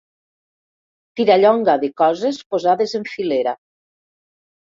Tirallonga de coses posades en filera.